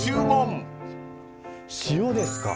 塩ですか？